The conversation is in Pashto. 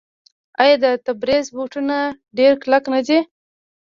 آیا د تبریز بوټان ډیر کلک نه دي؟